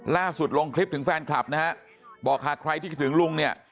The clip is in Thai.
ล่าสุดลงคลิปถึงแฟนคลับนะครับบอกหากใครที่ถึงลุงเนี่ย